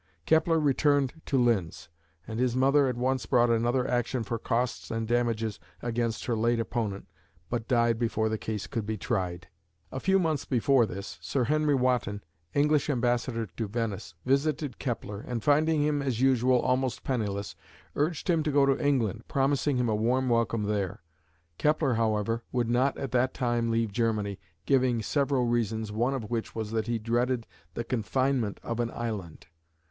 Kepler returned to Linz, and his mother at once brought another action for costs and damages against her late opponent, but died before the case could be tried. A few months before this Sir Henry Wotton, English Ambassador to Venice, visited Kepler, and finding him as usual, almost penniless, urged him to go to England, promising him a warm welcome there. Kepler, however, would not at that time leave Germany, giving several reasons, one of which was that he dreaded the confinement of an island.